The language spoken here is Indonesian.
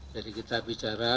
jadi kita bicara